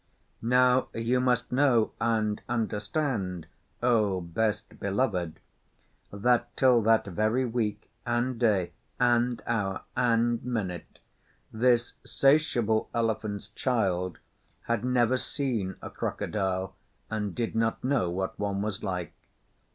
Now you must know and understand, O Best Beloved, that till that very week, and day, and hour, and minute, this 'satiable Elephant's Child had never seen a Crocodile, and did not know what one was like.